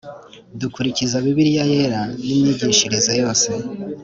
dukulikiza Bibiliya Yera n imyigishirize yose